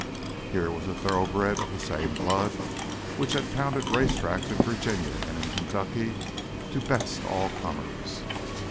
Here was a thoroughbred of the same blood which had pounded race tracks in Virginia and in Kentucky to best all comers.